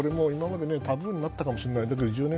今までタブーになってたかもしれない。